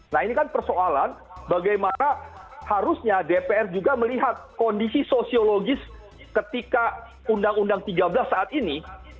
nah ini kan persoalan bagaimana harusnya dpr juga melihat kondisi sosiologis ketika undang undang tiga belas saat ini